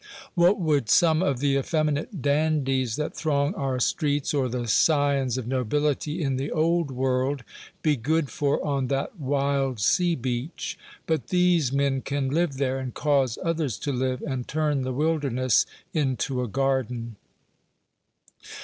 What would some of the effeminate dandies that throng our streets, or the scions of nobility in the old world, be good for on that wild sea beach? But these men can live there, and cause others to live, and turn the wilderness into a garden.